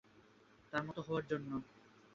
তার মত হওয়ার জন্য।